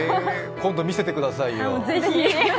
今度見せてくださいよ。